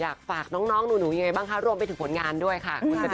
อยากฝากน้องหนูยังไงบ้างคะรวมไปถึงผลงานด้วยค่ะคุณกติ